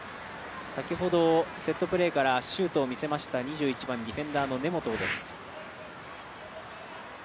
先ほどセットプレーからシュートを入れました２１番の根本です。